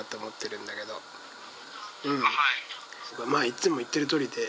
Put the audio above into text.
いつも言ってるとおりで。